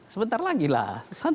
sebentar lagi lah